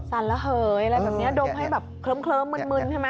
ระเหยอะไรแบบนี้ดมให้แบบเคลิ้มมึนใช่ไหม